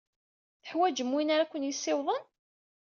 Teḥwajem win ara ken-yessiwḍen?